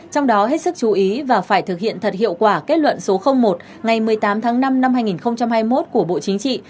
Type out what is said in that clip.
trong đó hết sức chú ý và phải thực hiện thật hiệu quả kết luận số một ngày một mươi tám tháng năm năm hai nghìn hai mươi một của bộ chính trị